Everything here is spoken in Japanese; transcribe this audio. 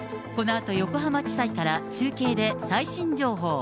このあと横浜地裁から中継で最新情報。